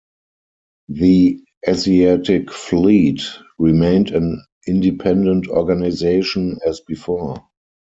The Asiatic Fleet remained an independent organization as before.